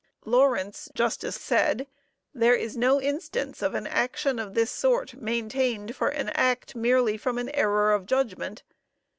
Lawrence, J., said: "There is no instance of an action of this sort maintained for an act merely from error of judgment.